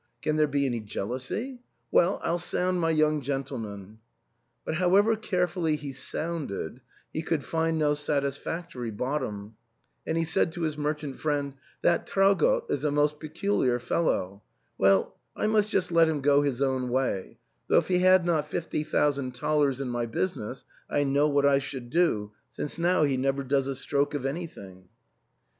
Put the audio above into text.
Can there be any jealousy ? Well, I'll sound my young gentleman." But however carefully he sounded he could find no satisfactory bottom, and he said to his merchant friend, " That Traugott is a most peculiar fellow ; well, I must just let him go his own way ; though if he had not fifty thousand thalers in my business I know what I should do, since now he never does a stroke of any thing."